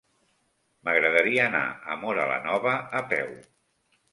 M'agradaria anar a Móra la Nova a peu.